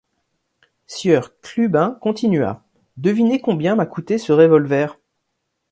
Sieur Clubin continua: — Devinez combien m’a coûté ce revolver?